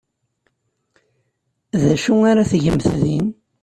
D acu ara tgemt din?